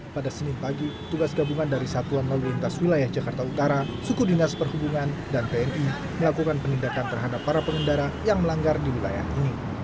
pada senin pagi tugas gabungan dari satuan lalu lintas wilayah jakarta utara suku dinas perhubungan dan tni melakukan penindakan terhadap para pengendara yang melanggar di wilayah ini